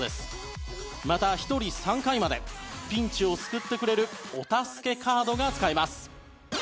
また１人３回までピンチを救ってくれるお助けカードが使えます。